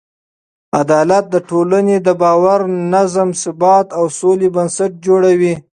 عدالت د ټولنې د باور، نظم، ثبات او سوله بنسټ جوړوي.